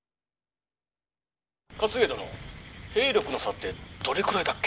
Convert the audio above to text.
「勝家殿兵力の差ってどれくらいだっけ？」。